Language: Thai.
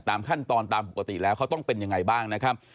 ตามขั้นตอนตามปกติแล้วเขาต้องเป็นยังไงบ้างนะครับ